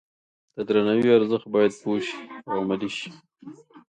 د درناوي ارزښت باید پوه شي او عملي شي.